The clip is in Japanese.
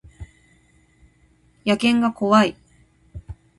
野犬が怖い